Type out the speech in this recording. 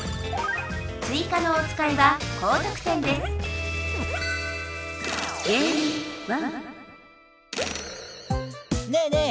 追加のおつかいは高とく点ですねえねえ